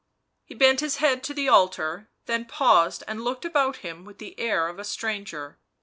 He bent his head to the altar, then paused and looked about him with the air of a stranger.